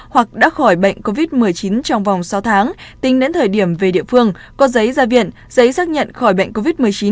hoặc đã khỏi bệnh covid một mươi chín trong vòng sáu tháng tính đến thời điểm về địa phương có giấy ra viện giấy xác nhận khỏi bệnh covid một mươi chín